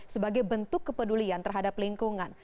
sebagai bentuk kepedulian terhadap lingkungan